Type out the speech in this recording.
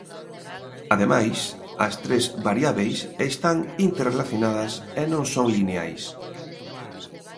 Ademais, as tres variábeis están interrelacionadas e non son lineais.